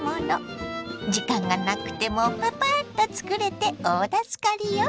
時間がなくてもパパッとつくれて大助かりよ。